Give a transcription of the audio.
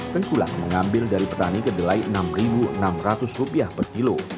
tengkulak mengambil dari petani kedelai rp enam enam ratus per kilo